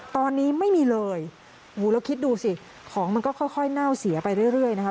ตอนนี้ไม่มีเลยแล้วคิดดูสิของมันก็ค่อยเน่าเสียไปเรื่อยนะคะ